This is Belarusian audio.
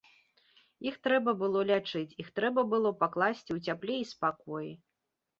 Іх трэба было лячыць, іх трэба было пакласці ў цяпле і спакоі.